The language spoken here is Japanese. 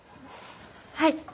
はい。